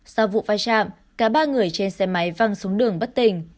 sau vụ vai trạm cả ba người trên xe máy văng xuống đường bất tình